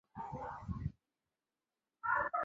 这是中国朝鲜族的第一所近代新型学校。